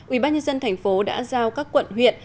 ubnd thành phố đã giao các quận huyện